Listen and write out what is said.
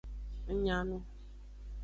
Ng nya nu.